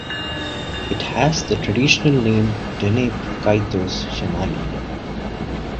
It has the traditional name Deneb Kaitos Shemali.